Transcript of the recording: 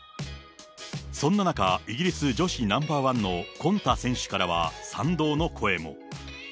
そんな中、イギリス女子ナンバー１のコンタ選手からは、賛同の声も。